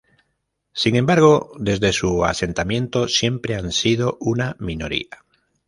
Sin embargo, desde su asentamiento, siempre han sido una minoría.